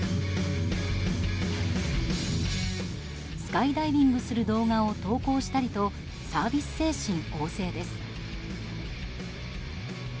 スカイダイビングする動画を投稿したりとサービス精神旺盛です。